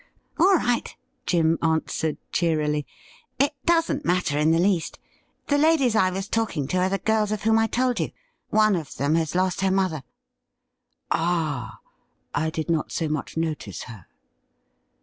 ' All right,' Jim answered cheerily. ' It doesn't matter in the least. The ladies I was talking to are the girls of whom I told you ; one of them has lost her mother.' ' Ah ! I did not so much notice her.'